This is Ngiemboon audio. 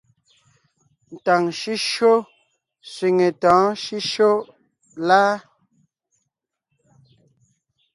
Ntàŋ shʉ́shyó sẅiŋe tɔ̌ɔn shʉ́shyó láa ?